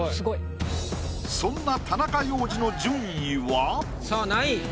そんな田中要次の順位は。